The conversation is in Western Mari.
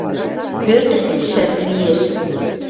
Пӧртӹштӹ шӹп лиэш.